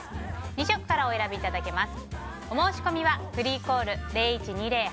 ２色からお選びいただけます。